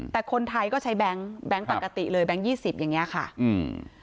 แต่คนไทยก็ใช้แบงค์แบงค์ปกติเลยแบงคยี่สิบอย่างเงี้ยค่ะอืม